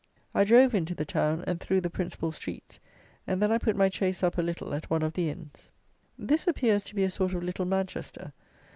I drove into the town, and through the principal streets, and then I put my chaise up a little at one of the inns. This appears to be a sort of little Manchester.